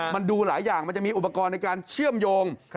มันดูหลายอย่างมันจะมีอุปกรณ์ในการเชื่อมโยง